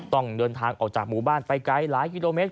ต้องเดินทางออกจากหมู่บ้านไปไกลหลายกิโลเมตร